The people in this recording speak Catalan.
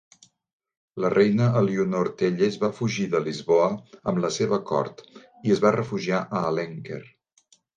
La reina Elionor Telles va fugir de Lisboa amb la seva cort i es va refugiar a Alenquer.